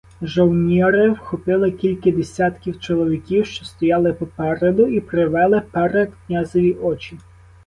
Жовніри вхопили кільки десятків чоловіків, що стояли попереду, і привели перед князеві очі.